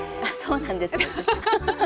あっそうなんです。